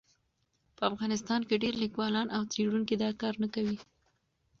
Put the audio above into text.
په افغانستان کې ډېر لیکوالان او څېړونکي دا کار نه کوي.